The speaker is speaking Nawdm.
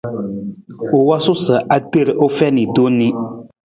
U wosuu sa a ter u fiin tong ni.